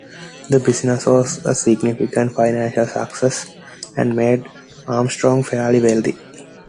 The business was a significant financial success, and made Armstrong fairly wealthy.